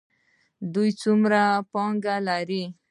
دوی څومره پانګه لري؟